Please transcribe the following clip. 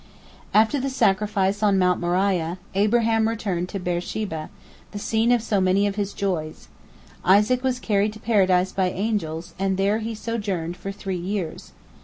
After the sacrifice on Mount Moriah, Abraham returned to Beer sheba, the scene of so many of his joys. Isaac was carried to Paradise by angels, and there he sojourned for three years.